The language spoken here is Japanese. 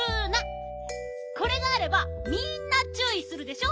これがあればみんなちゅういするでしょ。